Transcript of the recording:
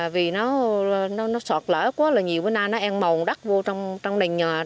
vì nó sọt lở quá là nhiều bữa nay nó en màu đắt vô trong đền nhà